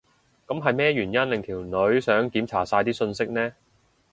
噉係咩原因令條女想檢查晒啲訊息呢？